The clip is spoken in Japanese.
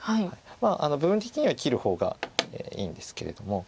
部分的には切る方がいいんですけれども。